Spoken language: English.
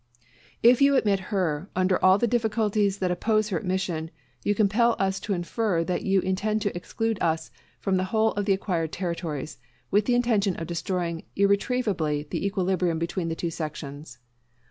If you admit her, under all the difficulties that oppose her admission, you compel us to infer that you intend to exclude us from the whole of the acquired territories, with the intention of destroying irretrievably the equilibrium between the two sections.